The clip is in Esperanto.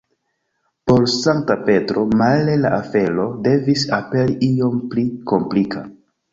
Por Sankta Petro, male, la afero devis aperi iom pli komplika.